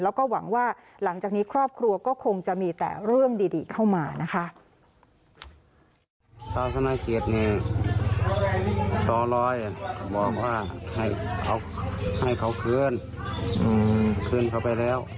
แล้วก็หวังว่าหลังจากนี้ครอบครัวก็คงจะมีแต่เรื่องดีเข้ามานะคะ